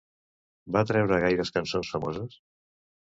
Va treure gaires cançons famoses?